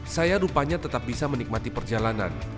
saya rupanya tetap bisa menikmati perjalanan